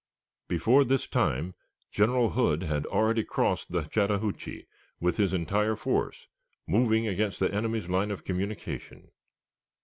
Before this time General Hood had already crossed the Chattahoochee with his entire force, moving against the enemy's line of communication.